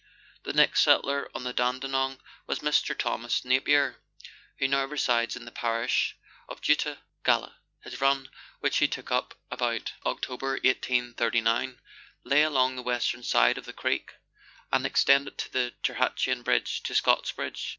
The next settler on the Dandenong was Mr. Thomas Napier, who now resides in the parish of Doutta Galla. His run, which he took up about October 1839, lay along the western side of the creek, and extended from the Tirhatuan bridge to Scott's bridge.